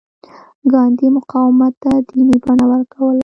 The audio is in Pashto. ګاندي مقاومت ته دیني بڼه ورکوله.